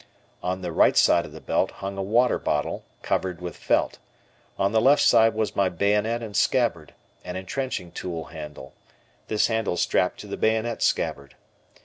On the right side of the belt hung a water bottle, covered with felt; on the left side was my bayonet and scabbard, and entrenching tool handle, this handle strapped to the bayonet scabbard.